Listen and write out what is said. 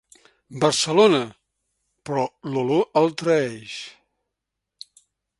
Barcelona, però l'olor el traeix.